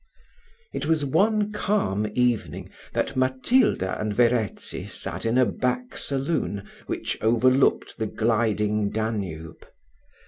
It was one calm evening that Matilda and Verezzi sat in a back saloon, which overlooked the gliding Danube.